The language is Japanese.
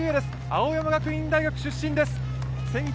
青山学院大学出身です。